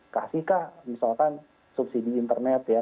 kasihkah misalkan subsidi internet ya